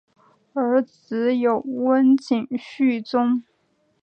儿子有温井续宗。